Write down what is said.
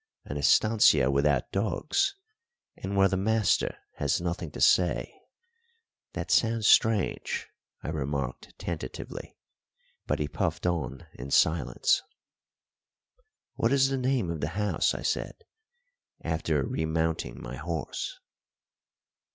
"An estancia without dogs, and where the master has nothing to say that sounds strange," I remarked tentatively, but he puffed on in silence. "What is the name of the house?" I said, after remounting my horse.